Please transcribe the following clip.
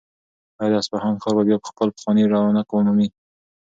آیا د اصفهان ښار به بیا خپل پخوانی رونق ومومي؟